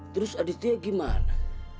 terus aditya gimana